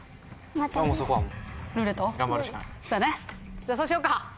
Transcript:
じゃあそうしようか！